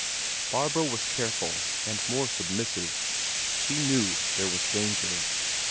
Barbro was careful and more submissive; she knew there was danger.